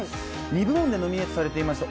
２部門でノミネートされていました